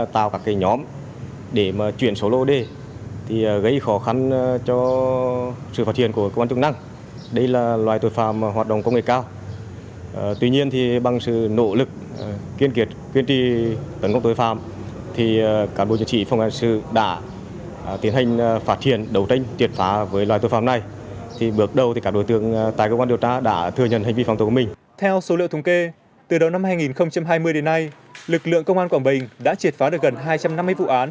theo số liệu thống kê từ đầu năm hai nghìn hai mươi đến nay lực lượng công an quảng bình đã triệt phá được gần hai trăm năm mươi vụ án